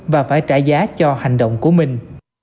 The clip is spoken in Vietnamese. và phải trả giá cho hành động của mình